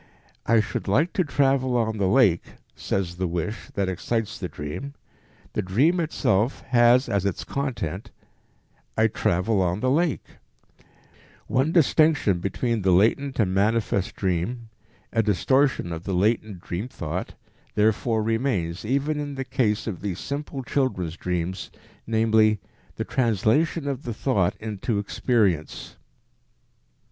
"I should like to travel on the lake," says the wish that excites the dream; the dream itself has as its content "I travel on the lake." One distinction between the latent and manifest dream, a distortion of the latent dream thought, therefore remains even in the case of these simple children's dreams, namely, the translation of the thought into experience.